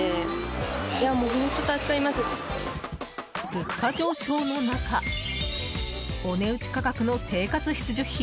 物価上昇の中お値打ち価格の生活必需品